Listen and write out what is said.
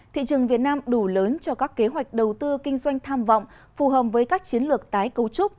thị trường việt nam đủ lớn cho các kế hoạch đầu tư kinh doanh tham vọng phù hợp với các chiến lược tái cấu trúc